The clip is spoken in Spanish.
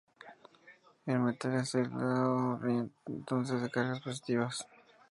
El metal es aislado entonces de cargas positivas.